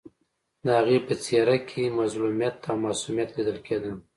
د هغې په څېره کې مظلومیت او معصومیت لیدل کېده